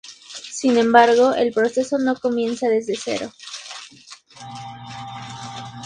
Sin embargo, el proceso no comienza desde cero.